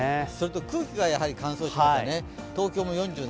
空気が乾燥してましたね。